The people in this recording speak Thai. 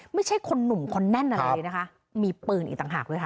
ไม่ใช่คนหนุ่มคนแน่นอะไรเลยนะคะมีปืนอีกต่างหากด้วยค่ะ